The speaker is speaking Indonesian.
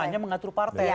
hanya mengatur partai